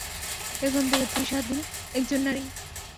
এখন থেকে তুই স্বাধীন একজন নারী।